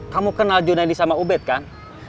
kamu kenal jonadi sama ubed kan